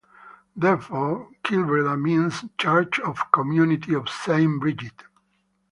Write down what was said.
Therefore, Kilbreda means Church or Community of Saint Brigid.